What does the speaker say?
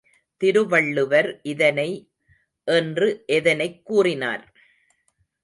திருவள்ளுவர் இதனை என்று எதனைக் கூறினார்?